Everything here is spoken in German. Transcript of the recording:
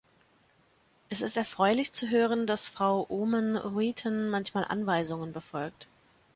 Es ist erfreulich zu hören, dass Frau Oomen-Ruijten manchmal Anweisungen befolgt.